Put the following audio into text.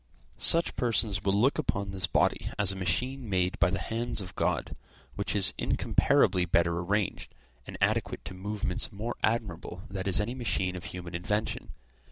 Such persons will look upon this body as a machine made by the hands of God, which is incomparably better arranged, and adequate to movements more admirable than is any machine of human invention.